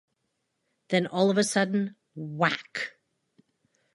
Then, all of a sudden, whack!